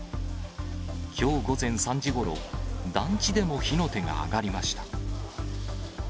きょう午前３時ごろ、団地でも火の手があがりました。